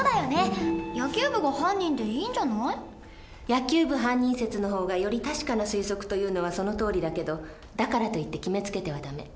野球部犯人説の方がより確かな推測というのはそのとおりだけどだからといって決めつけては駄目。